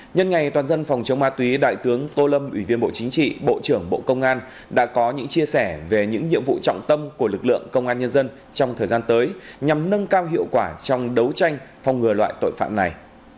nhân ngày toàn dân phòng chống ma túy đại tướng tô lâm ủy viên bộ chính trị bộ trưởng bộ công an đã có những chia sẻ về những nhiệm vụ trọng tâm của lực lượng công an nhân dân trong thời gian tới nhằm nâng cao hiệu quả trong đấu tranh phòng ngừa loại tội phạm này